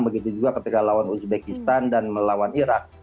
begitu juga ketika lawan uzbekistan dan melawan irak